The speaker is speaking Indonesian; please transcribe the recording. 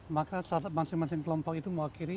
maka masing masing kelompok itu mewakili empat arah